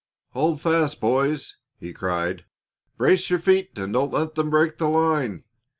"Hold fast, boys!" he cried. "Brace your feet and don't let them break the line!"